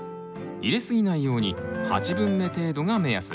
入れ過ぎないように８分目程度が目安。